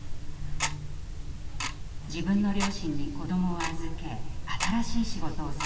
自分の両親に子どもを預け新しい仕事を探しました。